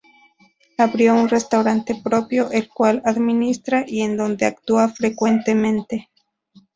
Abrió un restaurante propio, el cual administra, y en donde actúa frecuentemente.